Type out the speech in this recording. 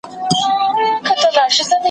خوراکپوه د سالم رژیم لارښود دی.